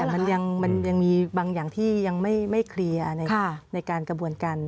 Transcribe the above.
แต่มันยังมีบางอย่างที่ยังไม่เคลียร์ในการกระบวนการ